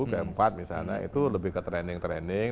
ke empat misalnya itu lebih ke training training